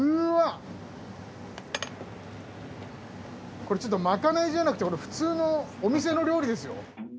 これまかないじゃなくて普通のお店の料理ですよ。